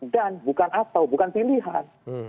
dan bukan atau bukan pilihan